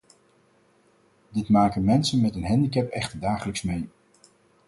Dit maken mensen met een handicap echter dagelijks mee.